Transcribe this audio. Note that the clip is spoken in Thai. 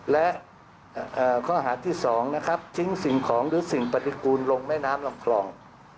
และข้อหาที่๒นะครับทิ้งสิ่งของหรือสิ่งปฏิกูลลงแม่น้ำลำคลอง